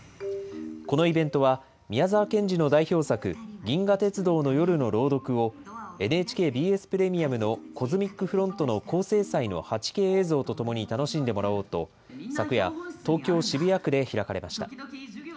このイベントは宮沢賢治の代表作、銀河鉄道の夜の朗読を、ＮＨＫＢＳプレミアムのコズミックフロントの高精細の８Ｋ映像とともに楽しんでもらおうと、昨夜、東京・渋谷区で開かれました。